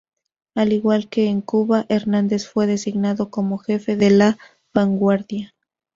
Al igual que en Cuba, Hernández fue designado como jefe de la vanguardia.